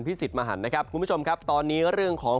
ที่ซิดมารรดิเบอร์นะครับคุณผู้ชมครับตอนนี้เรื่องของ